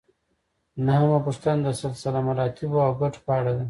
نهمه پوښتنه د سلسله مراتبو او ګټو په اړه ده.